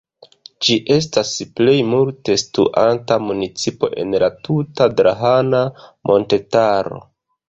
Ĝi estas plej multe situanta municipo en la tuta Drahana montetaro.